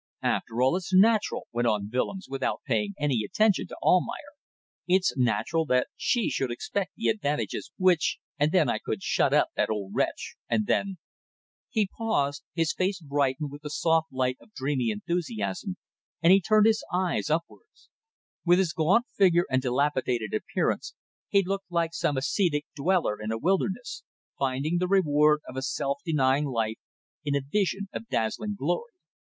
"After all it's natural," went on Willems, without paying any attention to Almayer "it's natural that she should expect the advantages which ... and then I could shut up that old wretch and then ..." He paused, his face brightened with the soft light of dreamy enthusiasm, and he turned his eyes upwards. With his gaunt figure and dilapidated appearance he looked like some ascetic dweller in a wilderness, finding the reward of a self denying life in a vision of dazzling glory.